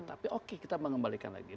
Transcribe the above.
tapi oke kita mengembalikan lagi